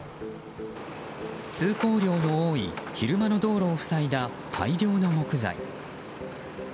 通行量の多い昼間の道路を塞いだ大量の木材。